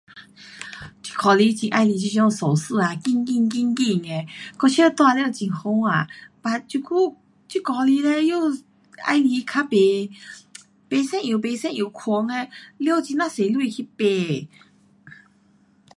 ji ko li jin ai li bei shou shi kin kin kin e wo qia tua lio jin ho wa. da ji gu ji go li e, you ai li kai bei se eiu bei se eiu kuon e, you jin lei lui ki bei